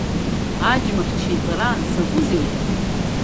Аџьмахьча иҵара закәызеи, уара?!